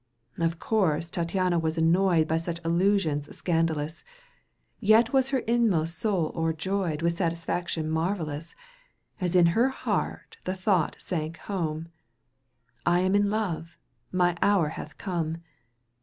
Of course Tattiana was annoyed By such aHusions scandalous, Yet was her inmost soul o'erjoyed With satisfaction marvellous, As in her heart the thought sank home, I am in love, my hour hath come